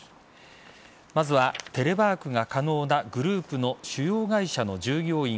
まずはテレワークが可能なグループの主要会社の従業員